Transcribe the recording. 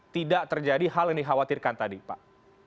tidak terjadi hal yang dikhawatirkan tadi pak